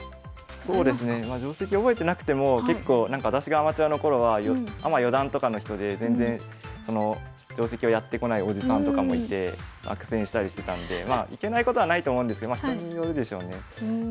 そうですねまあ定跡覚えてなくても私がアマチュアの頃はアマ四段とかの人で全然定跡をやってこないおじさんとかもいて苦戦したりしてたのでいけないことはないと思うんですけど人によるでしょうね。